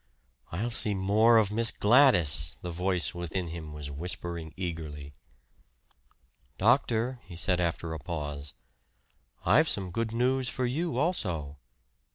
"I'll see more of Miss Gladys!" the voice within him was whispering eagerly. "Doctor," he said after a pause, "I've some good news for you also."